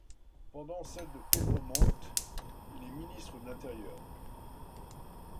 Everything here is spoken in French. Pendant celle de Pedro Montt, il est ministre de l'Intérieur.